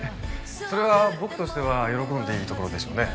それは僕としては喜んでいいところでしょうね。